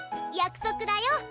約束だよ。